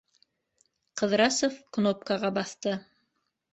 Ҡыҙрасов кнопкаға баҫты.